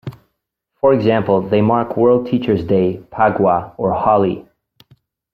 For example, they mark World Teachers' Day, Phagwah, or Holi.